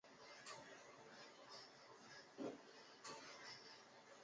至少车上有暖气